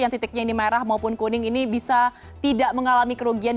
yang titiknya ini merah maupun kuning ini bisa tidak mengalami kerugian